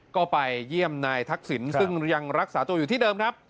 ก็ไปเยี่ยมนายทักษิณซึ่งยังรักษาตัวอยู่ที่เดิมครับ